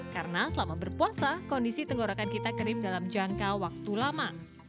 karena selama berpuasa kondisi tenggorokan kita kerim dalam jangka waktu lama